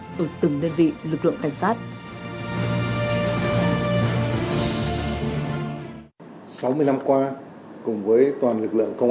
từ từng đơn vị lực lượng cảnh sát nhân dân